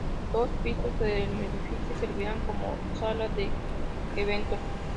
Dos pisos el edificio servirán como sala de eventos.